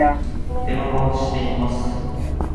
電話をしています